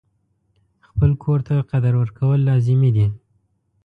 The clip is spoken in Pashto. خپل کور ته قدر ورکول لازمي دي.